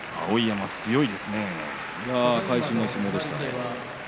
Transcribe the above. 会心の相撲でしたね。